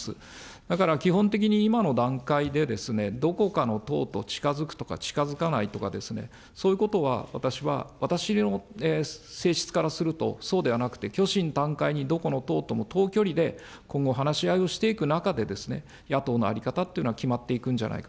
だから、基本的に今の段階で、どこかの党と近づくとか近づかないとか、そういうことは私は、私の性質からすると、そうではなくて、虚心坦懐にどこの党とも等距離で今後、話し合いをしていく中で、野党の在り方っていうのは決まっていくんじゃないか。